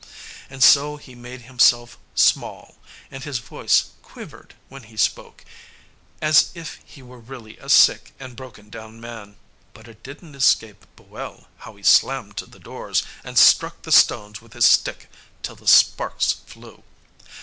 And so he made himself small, and his voice quivered when he spoke, as if he were really a sick and broken down man. But it didn't escape Boel how he slammed to the doors, and struck the stones with his stick till the sparks flew.